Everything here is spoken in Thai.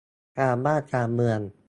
การบ้านการเมือง